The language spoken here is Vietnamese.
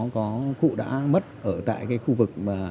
cụ đã mất ở tại cái khu vực